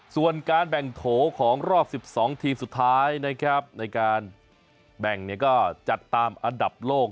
ส่วนการแบ่งโถของรอบ๑๒ทีมสุดท้ายนะครับในการแบ่งก็จัดตามอันดับโลก